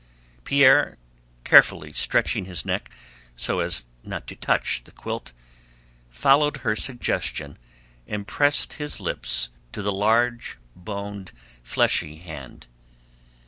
Pierre, carefully stretching his neck so as not to touch the quilt, followed her suggestion and pressed his lips to the large boned, fleshy hand.